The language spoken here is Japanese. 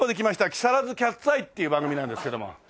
『木更津キャッツアイ』っていう番組なんですけども。